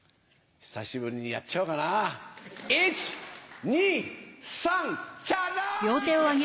久しぶりにやっちゃおうかな、１、２、３、ちゃらーん。